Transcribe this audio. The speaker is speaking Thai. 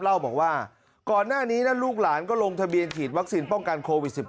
เล่าบอกว่าก่อนหน้านี้นะลูกหลานก็ลงทะเบียนฉีดวัคซีนป้องกันโควิด๑๙